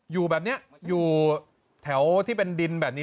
อยู่แบบนี้อยู่แถวที่เป็นดินแบบนี้